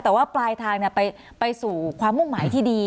แต่ว่าปลายทางไปสู่ความมุ่งหมายที่ดี